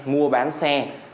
mua bán xe